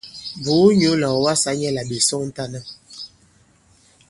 Bùu nyǔ là ɔ̀ wasā nyɛ̄ là ɓè sɔŋtana.